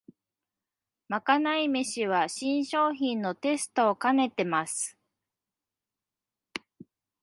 まかない飯は新商品のテストをかねてます